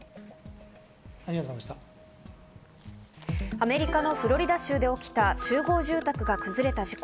アメリカのフロリダ州で起きた集合住宅が崩れた事故。